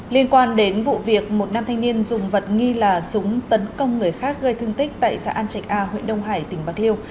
liên quan đến vụ việc một nam thanh niên dùng vật nghi là súng tấn công người khác gây thương tích tại xã an trạch a huyện đông hải tỉnh bạc liêu